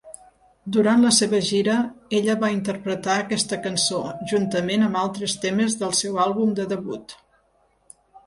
Durant la seva gira, ella va interpretar aquesta cançó juntament amb altres temes del seu àlbum de debut.